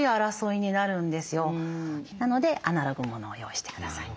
なのでアナログものを用意して下さい。